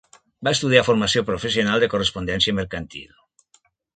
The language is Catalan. Va estudiar Formació Professional de correspondència mercantil.